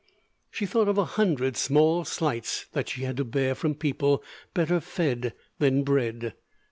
She thought of a hundred small slights that she had to bear from people better fed than bred.